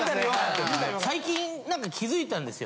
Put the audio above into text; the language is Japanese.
最近気付いたんですよ。